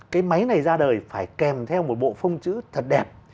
cái máy này ra đời phải kèm theo một bộ phong chữ thật đẹp